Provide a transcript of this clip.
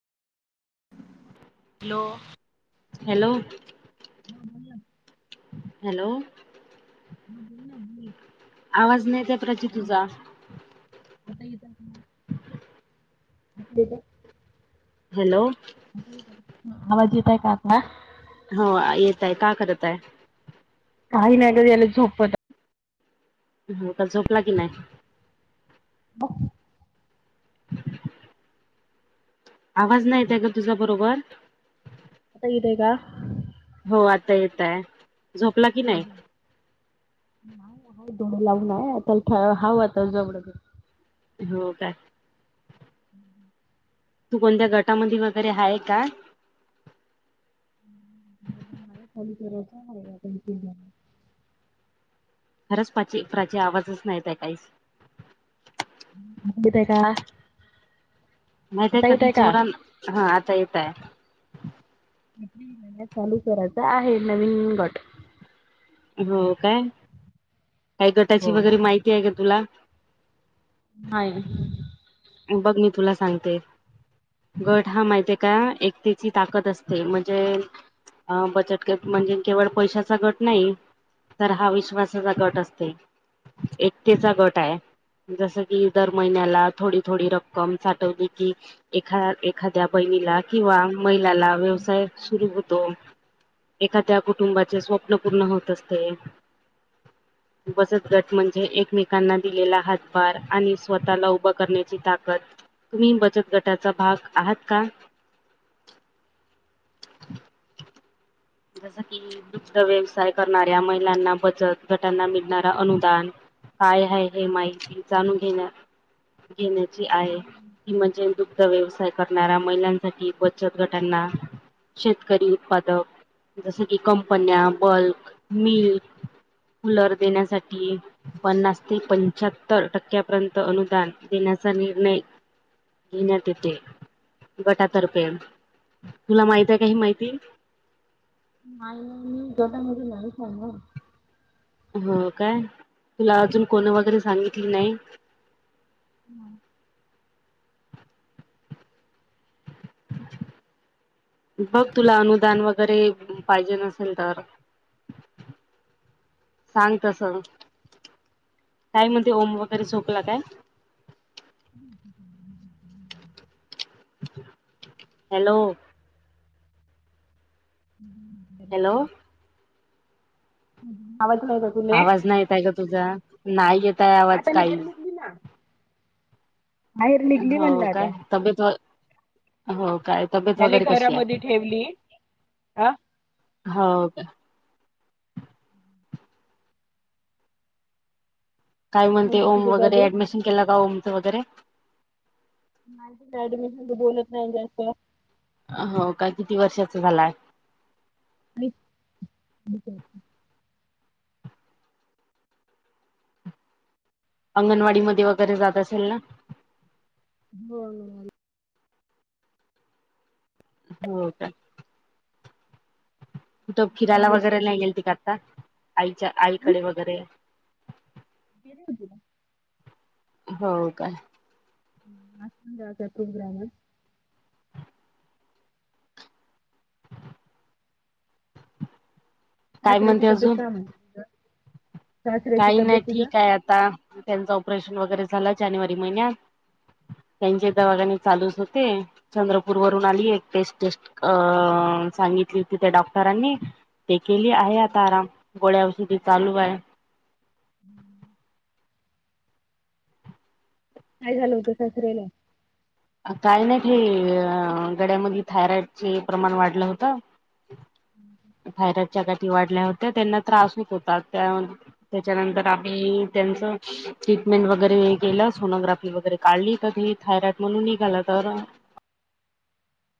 Hello hello हा बोला hello हा बोला [inaudible] आवाज नाही येत प्रती तुझा? आता येतो का नाही? आता येतोय. हॅलो आवाज येत आहे का आता? हो येतंय काय करत आहे? काही नाही याला झोपवत हो का? झोपला की नाही? [unintelligible] आवाज नाहीे येत आहे ग तुझा बरोबर? आता येतोय का? हो, आता येताय झोपला की नाही? बोल. नाही [unintelligible] लावूनाय त्याल थो हाव आता जवळ घे हो काय? [inaudible] तू कोणत्या गटामधी वगैरे आहे काय? [unintelligible] खरंच, पाची, प्राची, आवाजच नाही येतंय काही [unintelligible] का? माहीताय, आता कधी येतय का? जोरान, हा, आता येताय. [unintelligible] चालू करायचं आहे. नवीन गट हो काय? काय गटाची हो वगैरे माहिती आहे का तुला? नाही. बग मी तुला सांगते. गट हा माहितेय का एकतेची ताकत असते, म्हणजे, अ, बचत गट म्हणजे केवळ पैशाचा गट नाही. तर हा विश्वासाचा गट असतंय. एकतेचा गटा आहे, जसं की दर महिन्याला थोडी थोडी रक्कम साठवली कि एखा एखाद्या बहिणीला किंवा महिलाला व्यवसाय सुरू होतो. एखाद्या कुटुंबाचे स्वप्न पूर्ण होत असते. बचत गट म्हणजे एकमेकांना दिलेला हातभार आणि स्वतःला उभा करणे ची ताकद तुम्ही बचत गटाचा भाग आहेत का? जसं की, दुग्ध व्यवसाय करणाऱ्या महिलांना, बचत गटांना मिळणारा अनुदान काय आहे हि माहिती जाणून घेणं घेण्याची आहे ती म्हणजे दुग्ध-व्यवसाय करणाऱ्या महिलांसाठी, बचत गटांना, शेतकरी उत्पादक जसं की, कंपन्या, बल्क मिल्क कुलर देण्यासाठी पन्नास ते पंच्याहत्तर टक्क्यांपर्यंत अनुदान देण्याचा निर्णय घेण्यात येते, गटातर्फे, तुला माहिताय काय ही माहिती? [unintelligible] हो काय? तुला अजून कोण वगैरे सांगितली नाई? [inaudible] बग तुला अनुदान वगैरे पायजेन असेल तर सांग तसं. काय म्हणते ओम वगैरे झोपला काय? [inaudible] हॅलो. [inaudible] हॅलो. [unintelligible] आवाज नाई येताय ग तुझा, नाय येताय आवाज आता मी बाहेर काईच. निघली ना. बाहेर निघली म्हणलं हो आता. काय, तब्येत व हो काय? तब्येत ह्याले वगैरे कशी घरामध्ये आहे ठेवली, आं? हो का? काय म्हणते ओम तुझे दादू? वगैरे, ऍडमिशन केलं का ओमचं वगैरे? नाई त्याच्या ऍडमिशन त बोलत नाई जास्त. अं हो का किती वर्षाचा झालाय? [unintelligible] अंगणवाडी मध्ये वगैरे जात असेल ना? हो हो हो. हो का? कुठ सहा फिरायला वर्ष वगैरे नाही गेलती का आता? आईच्या आईकडे वगैरे? गेले होती ना. हो का? [unintelligible] काय सासऱ्याची म्हणते तब्येत अजून का म्हणते तुझ्या? सासऱ्याची काही नाही तब्येत तुझ्या ठीक आहे आता, त्यांचं ऑपरेशन वगैरे झालं जानेवारी महिन्यात त्यांचे दवाखाने चालूच होते. चंद्रपूर वरून आली एक टेस्ट -टेस्ट अ सांगितली होती त्या डॉक्टरांनी ते केली आहे आता आराम, गोळ्या औषधी चालू आय. हम्म. काय झालं होतं सासऱ्याला? काही नाही ते गड्यामध्ये थायरॉइड चे प्रमाण वाढलं होतं थायरॉईडच्या गाठी वाढल्या होत्या त्यांना त्रास होत होता त्या त्याच्यानंतर आम्ही त्यांच ट्रीटमेंट वगैरे केलं, सोनोग्राफी वगैरे काढली का ती थायरॉइड म्हणून निघालं तर